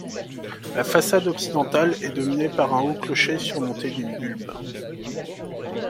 La façade occidentale est dominée par un haut clocher surmonté d'un bulbe.